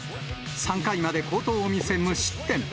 ３回まで好投を見せ、無失点。